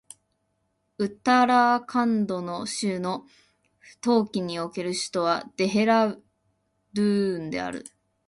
ウッタラーカンド州の冬季における州都はデヘラードゥーンである